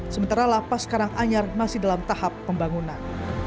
sementara lapas karang anyar masih dalam tahap pembangunan